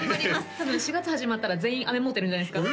多分４月始まったら全員あめ持ってるんじゃないですか？